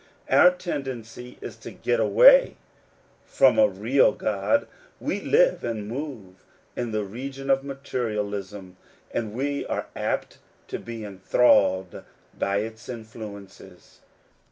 Our tendency is to get away from a real God. We live and move in the region of materialism, and we are apt to be enthralled by its* influences.